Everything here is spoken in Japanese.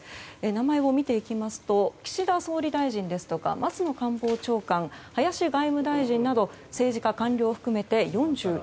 名前を見ていきますと岸田総理大臣ですとか松野官房長官、林外務大臣など政治家、官僚含めて４１人。